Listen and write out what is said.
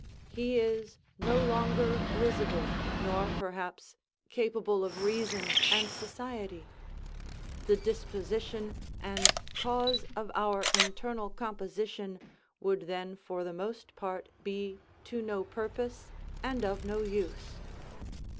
He is no longer risible, nor, perhaps, capable of reason and society. The disposition and cause of our internal composition would then for the most part be to no purpose, and of no use.